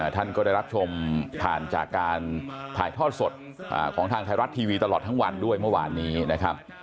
ท่านก็ได้รับชมผ่านจากการถ่ายทอดสดของทางไทยรัฐทีวีตลอดทั้งวันด้วยเมื่อวานนี้นะครับ